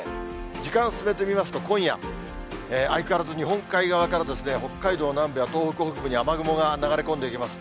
時間進めてみますと、今夜、相変わらず日本海側から北海道南部や東北北部に雨雲が流れ込んでいきます。